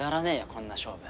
こんな勝負。